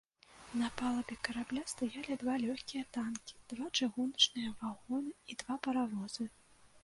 На палубе карабля стаялі два лёгкія танкі, два чыгуначныя вагоны і два паравозы.